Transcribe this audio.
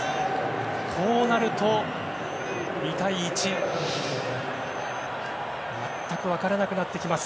こうなると、２対１なので全く分からなくなってきます。